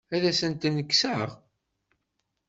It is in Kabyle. Ad asent-ten-kkseɣ?